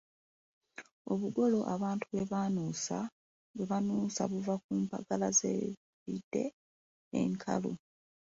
Obugolo abantu bwe banuusa buva ku mpagala z’embidde enkalu.